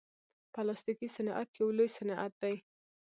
پلاستيکي صنعت یو لوی صنعت دی.